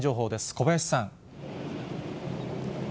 小林さん。